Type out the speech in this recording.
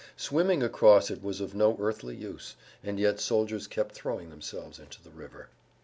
Swimming across it was of no earthly use, and yet soldiers kept throwing themselves into the river.